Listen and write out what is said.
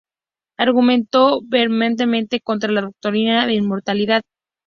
Argumentó vehementemente contra la doctrina de inmortalidad.